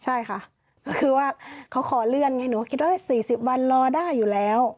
ใช่ค่ะก็คือว่าเขาขอเลื่อนไงหนูก็คิดว่า๔๐วันรอได้อยู่แล้ว